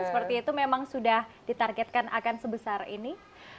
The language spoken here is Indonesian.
seperti itu memang sudah ditargetkan akan sebesar ini